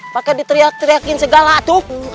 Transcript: pakai diteriakin segala tuh